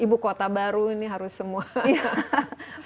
ibu kota baru ini harus semua green technology